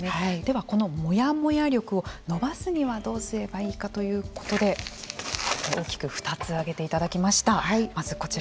では、このモヤモヤ力を伸ばすにはどうすればいいかということで大きく２つ挙げていただきました。